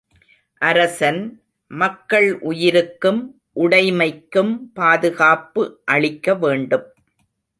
அரசன் மக்கள் உயிருக்கும் உடைமைக்கும் பாதுகாப்பு அளிக்க வேண்டும்.